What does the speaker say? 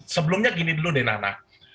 sebelumnya gini dulu deh nana